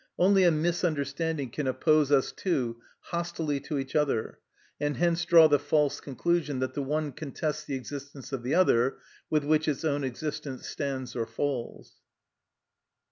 Only a misunderstanding can oppose us two hostilely to each other, and hence draw the false conclusion that the one contests the existence of the other, with which its own existence stands or falls.